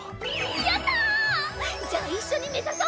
やった！じゃあ一緒に目指そう！